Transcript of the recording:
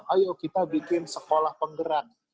ayo kita bikin sekolah penggerak